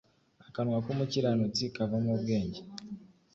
akanwa k’umukiranutsi kavamo ubwenge